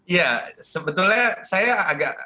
ya sebetulnya saya agak